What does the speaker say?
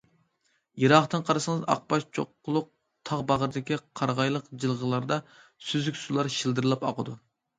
يىراقتىن قارىسىڭىز ئاقباش چوققىلىق تاغ باغرىدىكى قارىغايلىق جىلغىلاردا سۈزۈك سۇلار شىلدىرلاپ ئاقىدۇ.